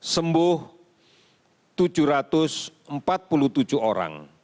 sembuh tujuh ratus empat puluh tujuh orang